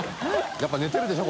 やっぱり寝てるでしょ？